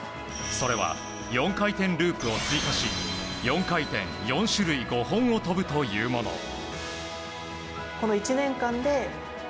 それは４回転ループを追加し４回転４種類５本を跳ぶというもの。